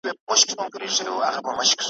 سپيني غوښي يې خوړلي تر سږمو وې ,